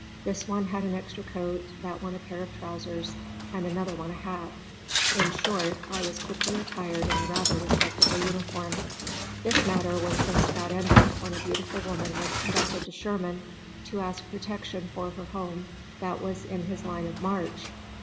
This one had an extra coat, that one a pair of trousers, and another one a hat. In short I was quickly attired in a rather respectable uniform. This matter was just about ended when a beautiful woman was conducted to Sherman, to ask protection for her home, that was in his line of march.